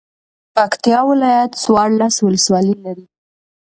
پکتيا ولايت څوارلس ولسوالۍ لري